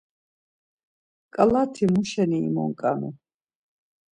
Ǩalati muşeni imonǩanu?